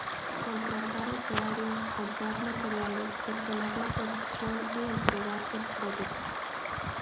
Contratar operarios, comprar materiales, gestionar la producción y entregar el producto.